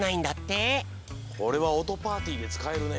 これはおとパーティーでつかえるね。